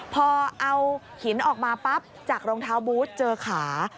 พอเอาหินออกมาปั๊บจากรองเท้าบูธเจอขา